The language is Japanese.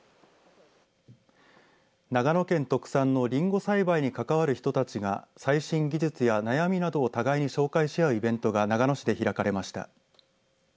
長野県特産のりんご栽培に関わる人たちが最新技術や悩みなどを互いに紹介し合うイベントが長野市で開かれました。